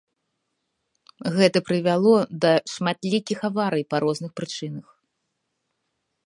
Гэта прывяло да шматлікіх аварый па розных прычынах.